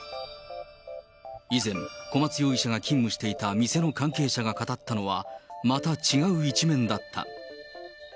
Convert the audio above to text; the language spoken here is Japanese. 以前、小松容疑者が勤務していた店の関係者が語ったのは、また違う一面だった。